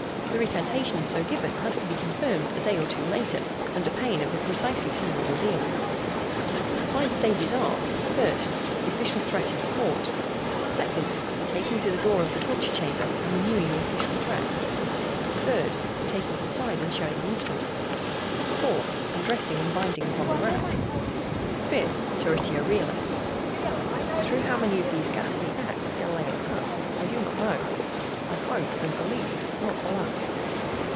The recantation so given has to be confirmed a day or two later, under pain of a precisely similar ordeal. The five stages are: 1st. The official threat in the court. 2nd. The taking to the door of the torture chamber and renewing the official threat. 3rd. The taking inside and showing the instruments. 4th. Undressing and binding upon the rack. 5th. Territio realis. Through how many of these ghastly acts Galileo passed I do not know. I hope and believe not the last.